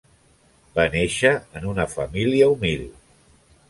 Va néixer en una família humil.